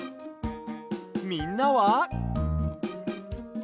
みんなは？